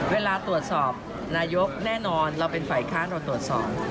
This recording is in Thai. เวลาตรวจสอบนายกแน่นอนเราเป็นฝ่ายค้านเราตรวจสอบ